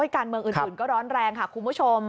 การเมืองอื่นก็ร้อนแรงค่ะคุณผู้ชม